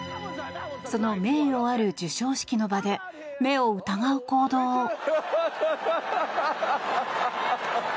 その名誉ある授賞式の場で目を疑う行動を。